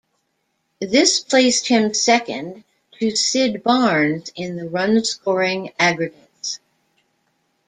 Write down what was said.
This placed him second to Sid Barnes in the run-scoring aggregates.